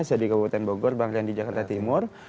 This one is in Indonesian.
sediqah wutan bogor bangkrian di jakarta timur